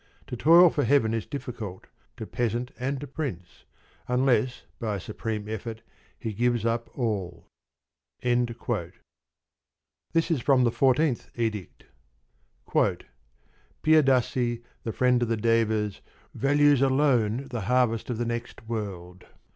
To toil for heaven is difficult to peasant and to prince, unless by a supreme effort he gives up all. This is from the Fourteenth Edict: Piyadasi, the friend of the Devas, values alone the harvest of the next world.